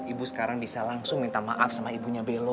ibu sekarang bisa langsung minta maaf sama ibunya belo